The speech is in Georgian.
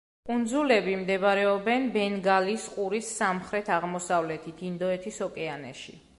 კუნძულები მდებარეობენ ბენგალის ყურის სამხრეთ-აღმოსავლეთით, ინდოეთის ოკეანეში.